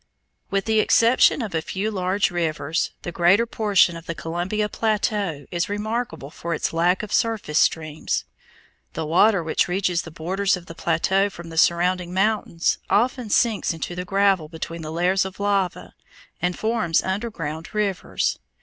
With the exception of a few large rivers, the greater portion of the Columbia plateau is remarkable for its lack of surface streams. The water which reaches the borders of the plateau from the surrounding mountains often sinks into the gravel between the layers of lava and forms underground rivers.